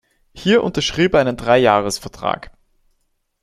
Hier unterschrieb er einen Dreijahresvertrag.